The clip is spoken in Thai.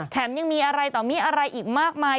ยังมีอะไรต่อมีอะไรอีกมากมาย